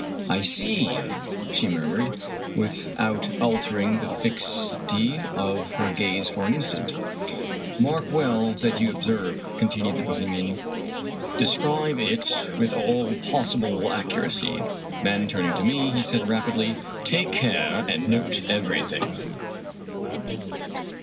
" I see !" she murmured, without altering the fixity of her gaze for an instant. 39 Irish Mystery Stories " Mark well what you observe," ' continued the Bo hemian; "describe it with all possible accuracy." Then, turning to me, he said rapidly, " Take care and note everything."